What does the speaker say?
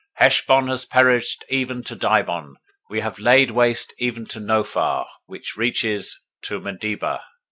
Heshbon has perished even to Dibon. We have laid waste even to Nophah, Which reaches to Medeba."